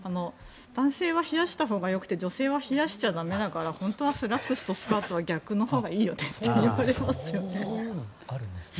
男性は、冷やしたほうがよくて女性は冷やしちゃだめだから本当はスラックスとスカートは逆のほうがいいよねって言われますよね。